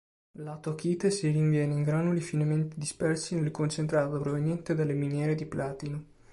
L'atokite si rinviene in granuli finemente dispersi nel concentrato proveniente dalle miniere di platino.